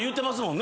ね